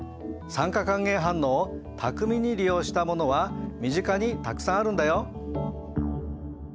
酸化還元反応を巧みに利用したものは身近にたくさんあるんだよ。